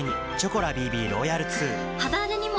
肌荒れにも！